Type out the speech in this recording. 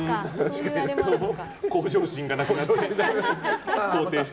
向上心がなくなっていって。